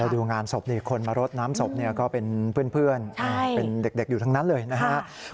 ดูงานศพนี่คนมารดน้ำศพก็เป็นเพื่อนเป็นเด็กอยู่ทั้งนั้นเลยนะครับ